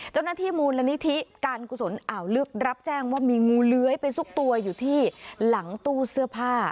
เจ้าหน้าที่มูลนิธิการกุศลอ่าวลึกรับแจ้งว่ามีงูเลื้อยไปซุกตัวอยู่ที่หลังตู้เสื้อผ้า